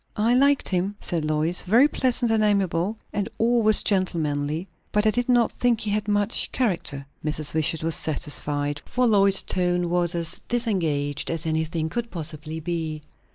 "I liked him," said Lois. "Very pleasant and amiable, and always gentlemanly. But I did not think he had much character." Mrs. Wishart was satisfied; for Lois's tone was as disengaged as anything could possibly be.